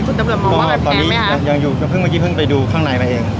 คุณตำรวจมองว่ามันแพงไหมฮะตอนนี้ยังอยู่ยังเพิ่งเมื่อกี้เพิ่งไปดูข้างในมาเอง